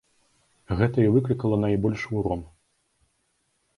Гэта і выклікала найбольшы ўрон.